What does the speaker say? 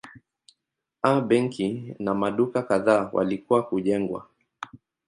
A benki na maduka kadhaa walikuwa kujengwa.